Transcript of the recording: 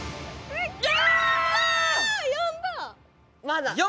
まだ。